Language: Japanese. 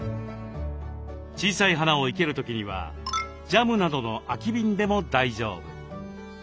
小さい花を生ける時にはジャムなどの空き瓶でも大丈夫。